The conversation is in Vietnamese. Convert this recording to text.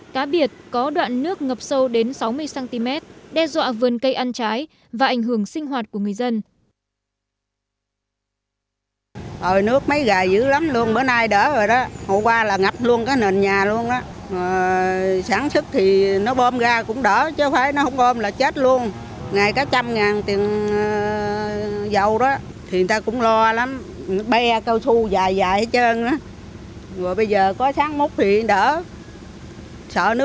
cá biệt có đoạn nước ngập sâu đến sáu mươi cm đe dọa vườn cây ăn trái và ảnh hưởng sinh hoạt của người dân